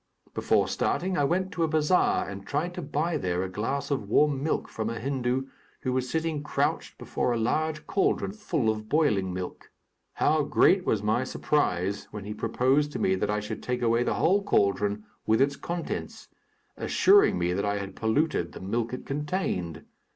Before starting, I went to a bazaar and tried to buy there a glass of warm milk from a Hindu, who was sitting crouched before a large cauldron full of boiling milk. How great was my surprise when he proposed to me that I should take away the whole cauldron, with its contents, assuring me that I had polluted the milk it contained!